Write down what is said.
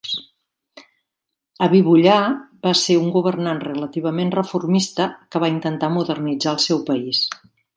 Habibullah va ser un governant relativament reformista que va intentar modernitzar el seu país.